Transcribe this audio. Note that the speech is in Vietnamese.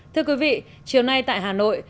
thưa quý vị chiều nay tại hà nội